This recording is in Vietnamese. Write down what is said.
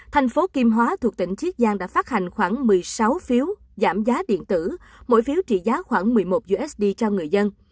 thành phố kim hóa thuộc tỉnh chiết giang đã phát hành khoảng một mươi sáu phiếu giảm giá điện tử mỗi phiếu trị giá khoảng một mươi một usd cho người dân